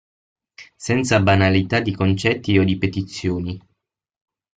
Senza banalità di concetti o di petizioni.